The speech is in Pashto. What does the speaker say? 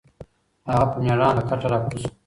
هغه په مېړانه له کټه راکوز شو.